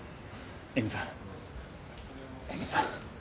絵美さん絵美さん。